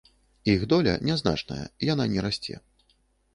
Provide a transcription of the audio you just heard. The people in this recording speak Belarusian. Іх доля нязначная, яна не расце.